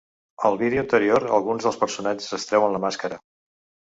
Al vídeo anterior alguns dels personatges es treuen la màscara.